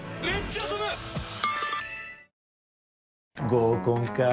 合コンかぁ